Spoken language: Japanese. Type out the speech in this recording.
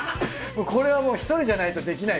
これはもう１人じゃないとできない。